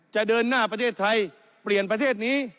จะเดินหน้าประเทศไทยเปลี่ยนประเทศนี้